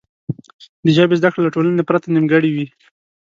د ژبې زده کړه له ټولنې پرته نیمګړې وي.